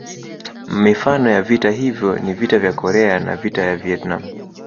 Mifano ya vita hivyo ni Vita ya Korea na Vita ya Vietnam